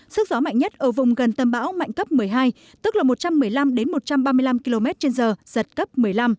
sức gió mạnh nhất ở vùng gần tâm bão mạnh cấp một mươi hai tức là một trăm một mươi năm một trăm ba mươi năm km trên giờ giật cấp một mươi năm